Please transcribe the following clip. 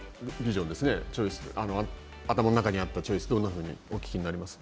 チョイス、頭の中にあったチョイスはどんなふうにお聞きになります？